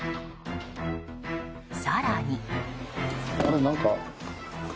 更に。